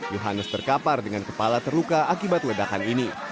yohanes terkapar dengan kepala terluka akibat ledakan ini